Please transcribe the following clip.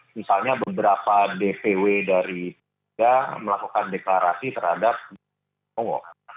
misalnya beberapa dpw dari tiga melakukan deklarasi terhadap jokowi